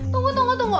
tunggu tunggu tunggu